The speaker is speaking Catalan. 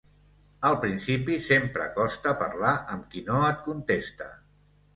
Al principi, sempre costa parlar amb qui no et contesta.